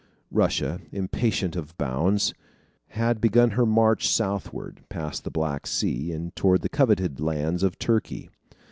Russia, impatient of bounds, had begun her march southward, past the Black Sea, and toward the coveted lands of Turkey.